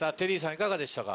いかがでしたか？